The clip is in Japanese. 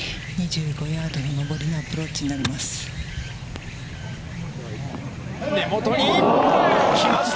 ２５ヤードの上りのアプローチになります。